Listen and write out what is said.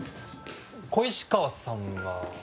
小石川さんは？